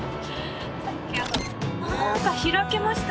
何か開けました